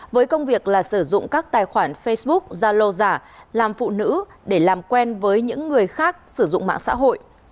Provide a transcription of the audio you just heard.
với công việc là sử dụng các tài khoản facebook zalo giả làm phụ nữ để làm quen với những người khác sử dụng mạng xã hội